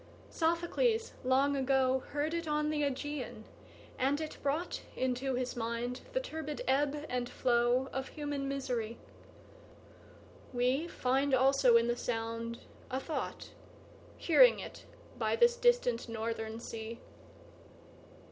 Sophocles long agoHeard it on the Ægæan, and it broughtInto his mind the turbid ebb and flowOf human misery; weFind also in the sound a thought, Hearing it by this distant northern sea.